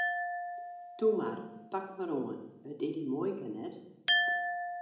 Toe mar, pak mar oan, it is dyn muoike net!